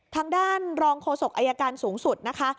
ทางด้านรองโฆษกอายการสูงสุดนะคะ